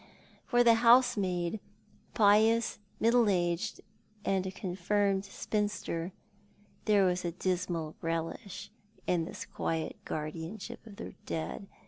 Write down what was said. For the housemaid, pious, middle aged, and a con firmed spinster, there was a dismal relish in this quiet guardian ship of the dead.